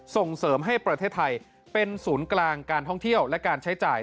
ส่งเสริมให้ประเทศไทยเป็นศูนย์กลางการท่องเที่ยวและการใช้จ่าย